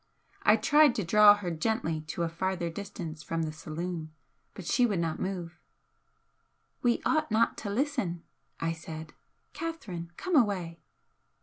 I tried to draw her gently to a farther distance from the saloon, but she would not move. "We ought not to listen," I said "Catherine, come away!"